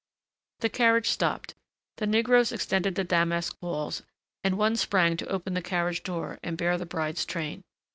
The carriage stopped. The negroes extended the damask walls, and one sprang to open the carriage door and bear the bride's train.